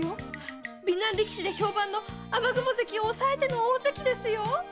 美男力士で評判の雨雲関をおさえての大関ですよ！